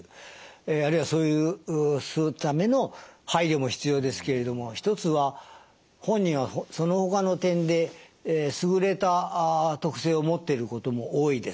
あるいはそうするための配慮も必要ですけれども一つは本人はそのほかの点で優れた特性を持っていることも多いです。